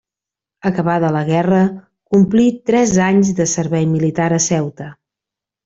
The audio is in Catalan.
Acabada la guerra, complí tres anys de servei militar a Ceuta.